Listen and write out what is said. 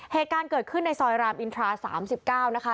เหตุการณ์เกิดขึ้นในซอยรามอินทรา๓๙นะคะ